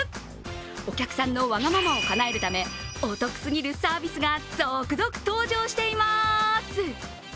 お客さんのわがままをかなえるためお得すぎるサービスが続々登場しています。